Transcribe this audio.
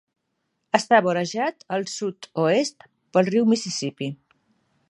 Està vorejat al sud-oest pel riu Mississippi.